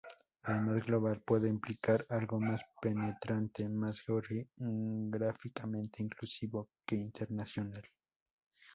Además, global puede implicar algo más penetrante, más geográficamente inclusivo que internacional.